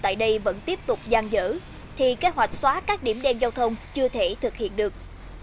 tại đây vẫn tiếp tục gian dở thì kế hoạch xóa các điểm đen giao thông chưa thể thực hiện được